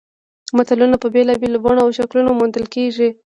متلونه په بېلابېلو بڼو او شکلونو موندل کیږي